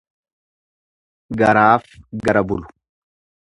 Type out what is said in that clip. Garaaf gara bulu.